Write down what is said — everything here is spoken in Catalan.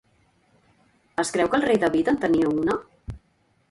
Es creu que el rei David en tenia una?